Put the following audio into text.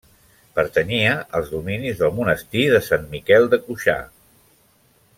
Pertanyia als dominis del monestir de Sant Miquel de Cuixà.